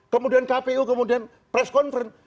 kemudian kpu kemudian press conference